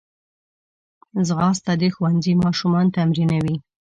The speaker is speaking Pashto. ځغاسته د ښوونځي ماشومان تمرینوي